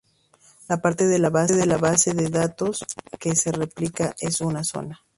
La parte de la base de datos que se replica es una zona.